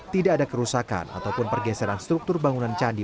tidak ada kerusakan ataupun pergeseran struktur bangunan candi